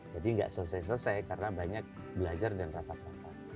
jadi tidak selesai selesai karena banyak belajar dan rapat rapat